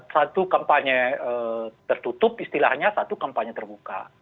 satu kampanye tertutup istilahnya satu kampanye terbuka